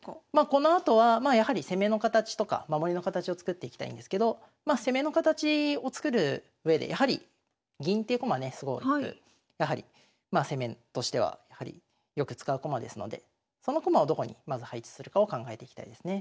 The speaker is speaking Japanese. このあとはまあやはり攻めの形とか守りの形を作っていきたいんですけどまあ攻めの形を作るうえでやはり銀っていう駒はねすごくやはりまあ攻めとしてはよく使う駒ですのでその駒をどこにまず配置するかを考えていきたいですね。